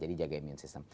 jadi jaga imun sistem